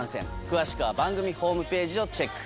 詳しくは番組ホームページをチェック。